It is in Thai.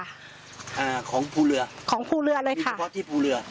อ่าของภูเรือของภูเรือเลยค่ะเฉพาะที่ภูเรือ